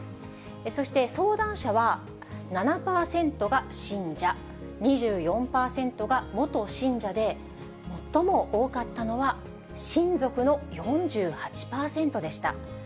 そして相談者は７％が信者、２４％が元信者で、最も多かったのは親族の４８％でした。